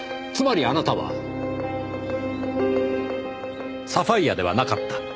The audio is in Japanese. つまりあなたはサファイアではなかった。